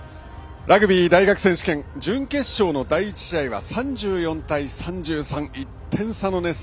ラグビー大学選手権準決勝の第１試合は３４対３３、１点差の熱戦。